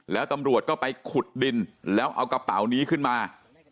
แล้วตำรวจก็ไปขุดดินแล้วเอากระเป๋านี้ขึ้นมา